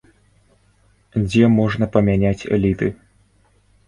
Дзе можна памяняць літы?